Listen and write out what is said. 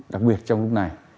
đặc biệt trong lúc này